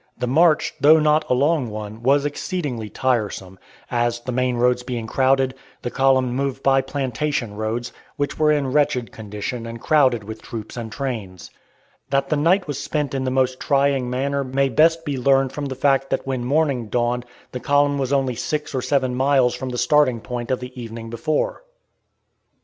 The march, though not a long one, was exceedingly tiresome, as, the main roads being crowded, the column moved by plantation roads, which were in wretched condition and crowded with troops and trains. That the night was spent in the most trying manner may best be learned from the fact that when morning dawned the column was only six or seven miles from the starting point of the evening before.